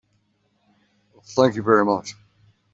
Thank you very much.